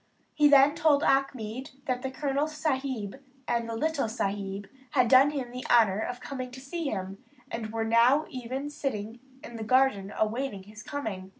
He then told Achmed that the Colonel Sahib and the little Sahib had done him the honour of coming to see him, and were even now sitting in the garden awaiting his coming.